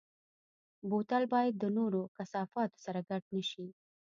بوتل باید د نورو کثافاتو سره ګډ نه شي.